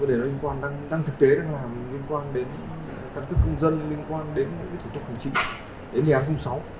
vấn đề đó liên quan đang thực tế đang làm liên quan đến căn cứ công dân liên quan đến những cái thủ tục hành trình đến đề án công sáu